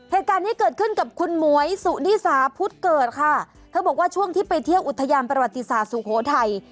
เหตุการณ์นี้เกิดขึ้นกับคุณหมวยสุนิสาพุทธเกิดค่ะเธอบอกว่าช่วงที่ไปเที่ยวอุทยานประวัติศาสตร์สุโขทัย